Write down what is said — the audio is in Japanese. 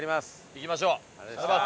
行きましょう。